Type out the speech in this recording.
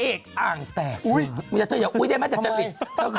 เอกอ่างแตกอุ๊ยไม่ได้อุ๊ยได้ไหมจัดจริต